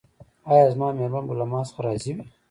ایا زما میرمن به له ما څخه راضي وي؟